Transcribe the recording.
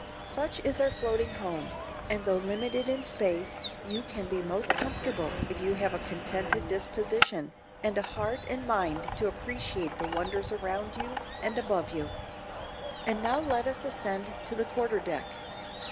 Such is our floating home, and though limited in space, you can be most comfortable if you have a contented disposition, and a heart and mind to appreciate the wonders around and above you. And now let us ascend to the quarter deck.